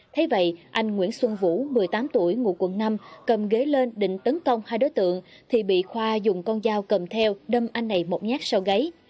thế vậy anh nguyễn xuân vũ một mươi tám tuổi ngụ quận năm cầm ghế lên định tấn công hai đối tượng thì bị khoa dùng con dao cầm theo đâm anh này một nhát sau gấy